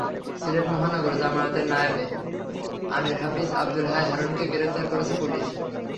সিলেট মহানগর জামায়াতের নায়েবে আমির হাফিজ আবদুল হাই হারুনকে গ্রেপ্তার করেছে পুলিশ।